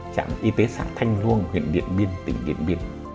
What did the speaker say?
trạm y tế xã thanh luông huyện điện biên tỉnh điện biên